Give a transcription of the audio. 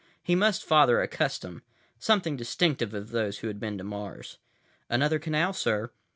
He must father a custom, something distinctive of those who had been to Mars— "Another canal, sir."